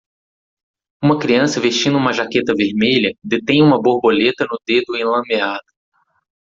Uma criança vestindo uma jaqueta vermelha detém uma borboleta no dedo enlameado.